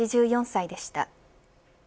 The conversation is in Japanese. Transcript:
８４歳でした。